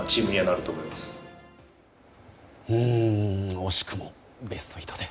惜しくもベスト８で。